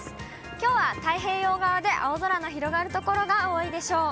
きょうは太平洋側で青空の広がる所が多いでしょう。